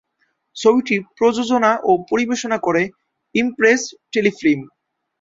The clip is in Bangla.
ছবিটি প্রযোজনা ও পরিবেশনা করে ইমপ্রেস টেলিফিল্ম।